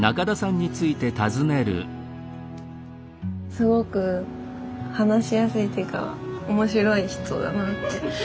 すごく話しやすいというか面白い人だなって。